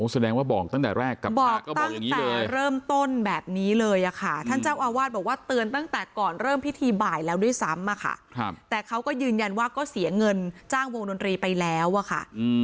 แสดงว่าบอกตั้งแต่แรกกับบอกตั้งแต่เริ่มต้นแบบนี้เลยอะค่ะท่านเจ้าอาวาสบอกว่าเตือนตั้งแต่ก่อนเริ่มพิธีบ่ายแล้วด้วยซ้ำอะค่ะแต่เขาก็ยืนยันว่าก็เสียเงินจ้างวงดนตรีไปแล้วอะค่ะ